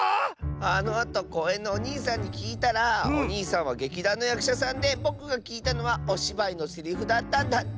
あのあとこうえんのおにいさんにきいたらおにいさんは劇団のやくしゃさんでぼくがきいたのはおしばいのセリフだったんだって！